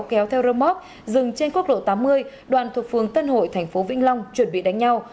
kéo theo rơm móc dừng trên quốc lộ tám mươi đoạn thuộc phường tân hội tp vĩnh long chuẩn bị đánh nhau